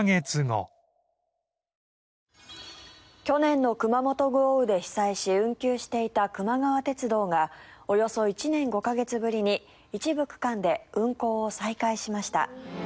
去年の熊本豪雨で被災し運休していたくま川鉄道がおよそ１年５カ月ぶりに一部区間で運行を再開しました。